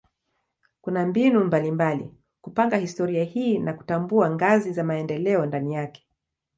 Kuna mbinu mbalimbali kupanga historia hii na kutambua ngazi za maendeleo ndani yake.